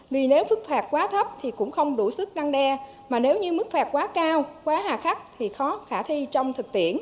vì nếu phức phạt quá thấp thì cũng không đủ sức răng đe mà nếu như mức phạt quá cao quá hạ khắc thì khó khả thi trong thực tiễn